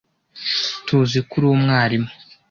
Tuziko uri umwarimu.